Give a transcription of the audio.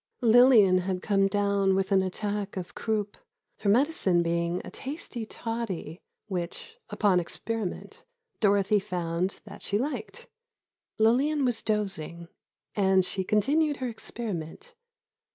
Lillian had come down with an attack of croup, her medicine being a tasty toddy, which, upon experiment, Dorothy found that she liked. Lillian was dozing, and she continued her experiment.